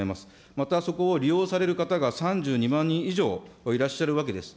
またそこを利用される方が３２万人以上いらっしゃるわけです。